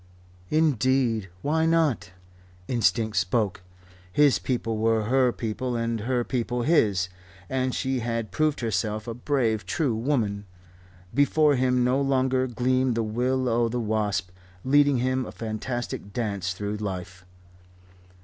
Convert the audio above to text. Indeed, why not? Instinct spoke. His people were her people and her people his. And she had proved herself a brave, true woman. Before him no longer gleamed the will o' the wisp leading him a fantastic dance through life.